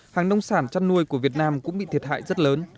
hàng nông sản chăn nuôi của việt nam cũng bị thiệt hại rất lớn